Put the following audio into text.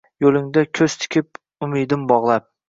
Yulinga kuz tikib umedim boglab